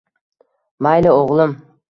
Mayli, o‘g‘lim.